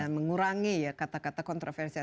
menurangi kata kata kontroversi